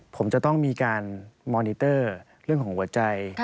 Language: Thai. ผมจะต้องมีการมอนิเตอร์เรื่องของหัวใจ